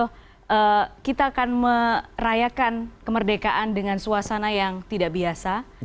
kita akan merayakan kemerdekaan dengan suasana yang tidak biasa